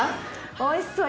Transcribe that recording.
おいしそう。